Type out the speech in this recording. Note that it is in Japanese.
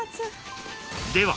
［では